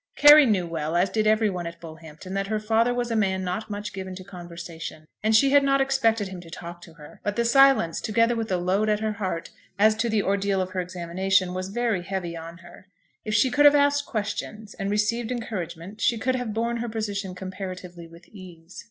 Carry knew well, as did every one at Bullhampton, that her father was a man not much given to conversation, and she had not expected him to talk to her; but the silence, together with the load at her heart as to the ordeal of her examination, was very heavy on her. If she could have asked questions, and received encouragement, she could have borne her position comparatively with ease.